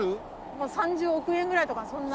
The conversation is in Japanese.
もう３０億円ぐらいとかそんな。